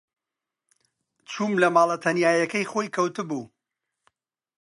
چووم لە ماڵە تەنیایییەکەی خۆی کەوتبوو.